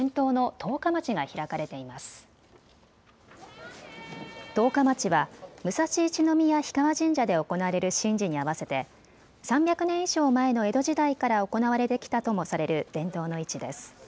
十日市は武蔵一宮氷川神社で行われる神事に合わせて３００年以上前の江戸時代から行われてきたともされる伝統の市です。